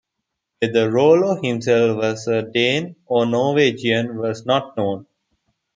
Whether Rollo himself was a Dane or a Norwegian is not known.